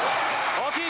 大きい！